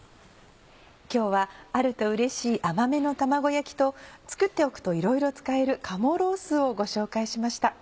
今日はあるとうれしい甘めの「卵焼き」と作っておくといろいろ使える「鴨ロース」をご紹介しました。